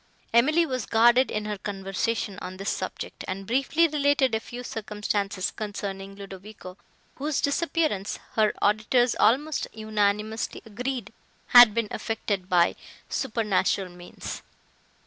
Emily was guarded in her conversation on this subject, and briefly related a few circumstances concerning Ludovico, whose disappearance, her auditors almost unanimously agreed, had been effected by supernatural means.